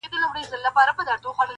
چا له دم چا له دوا د رنځ شفا سي,